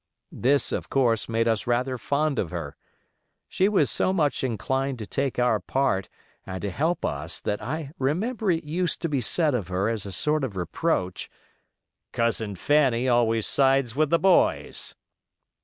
This, of course, made us rather fond of her. She was so much inclined to take our part and to help us that I remember it used to be said of her as a sort of reproach, "Cousin Fanny always sides with the boys."